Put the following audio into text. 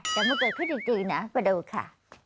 แต่เมื่อเกิดขึ้นจริงนะไปดูค่ะ